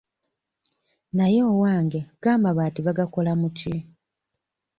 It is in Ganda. Naye owange go amabaati bagakola mu ki?